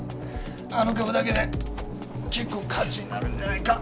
あの株だけで結構価値になるんじゃないか？